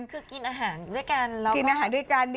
คือกินอาหารด้วยกัน